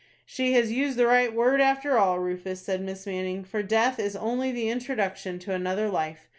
"She has used the right word, after all, Rufus," said Miss Manning; "for death is only the introduction to another life.